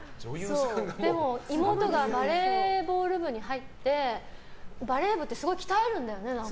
でも妹がバレーボール部に入ってバレー部ってすごい鍛えるんだよね。